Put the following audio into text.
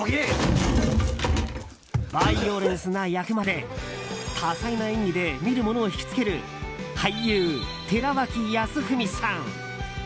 バイオレンスな役まで多彩な演技で見る者を引き付ける俳優・寺脇康文さん。